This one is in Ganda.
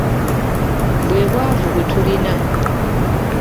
Bwe bwavu bwe tulina.